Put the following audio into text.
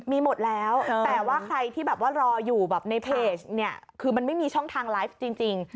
มีหมดแล้วแต่ว่าใครที่แบบว่ารออยู่แบบในเพจเนี่ยคือมันไม่มีช่องทางไลฟ์จริง